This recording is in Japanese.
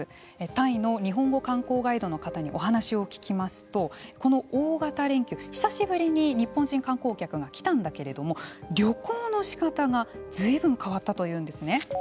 タイの日本語観光ガイドの方にお話を聞きますとこの大型連休久しぶりに日本人観光客が来たんだけれども旅行の仕方がずいぶん変わったというんですね。